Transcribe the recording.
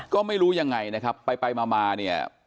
ก็ไม่รู้ยังไงนะครับไปมาเนี่ย